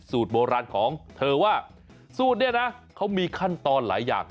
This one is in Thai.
สูตรโบราณของเธอว่าสูตรเขามีขั้นตอนหลายอย่าง